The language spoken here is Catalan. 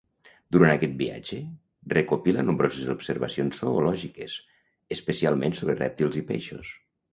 Durant aquest viatge, recopila nombroses observacions zoològiques, especialment sobre rèptils i peixos.